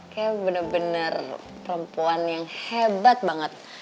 kayak bener bener perempuan yang hebat banget